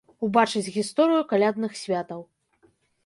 Убачыць гісторыю калядных святаў.